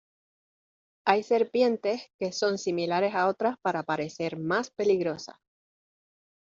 Hay serpientes que son similares a otras para parecer más peligrosas.